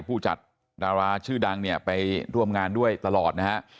ผู้จัดดาราชื่อดังไปร่วมงานด้วยตลอด